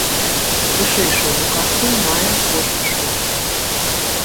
Вышэйшую адукацыю мае кожны шосты.